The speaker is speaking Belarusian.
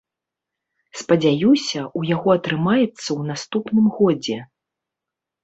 Спадзяюся, у яго атрымаецца ў наступным годзе.